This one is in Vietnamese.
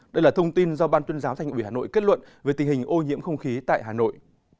đây là thông tin do ban tuyên giáo thành ủy hà nội kết luận về tình hình ô nhiễm không khí tại hà nội